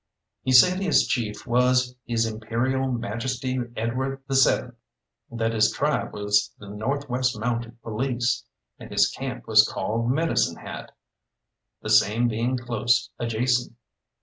He said his chief was His Imperial Majesty Edward VII., that his tribe was the North West Mounted Police, and his camp was called Medicine Hat, the same being close adjacent.